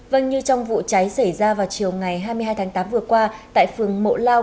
vâng như trong vụ cháy xảy ra vào chiều ngày hai mươi hai tháng tám vừa qua tại phường mộ lao